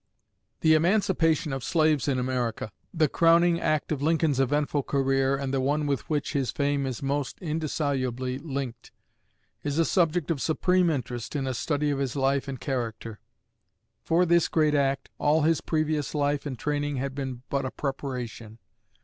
The emancipation of slaves in America the crowning act of Lincoln's eventful career and the one with which his fame is most indissolubly linked is a subject of supreme interest in a study of his life and character. For this great act all his previous life and training had been but a preparation.